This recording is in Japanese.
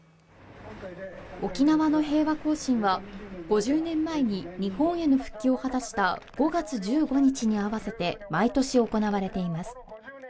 沖縄の平和行進は、５０年前に日本への復帰を果たした５月１５日に合わせて、毎年行われています。